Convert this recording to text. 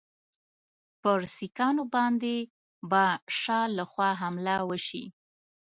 پر سیکهانو باندي به شا له خوا حمله وشي.